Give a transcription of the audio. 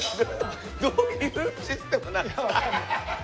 どういうシステムなんですか？